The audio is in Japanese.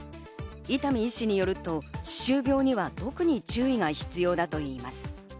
伊丹医師によると、歯周病には特に注意が必要だといいます。